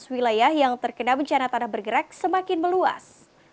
wilayah yang terkena bencana tanah bergerak semakin meluas